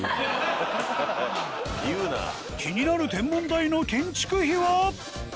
気になる天文台の建築費は？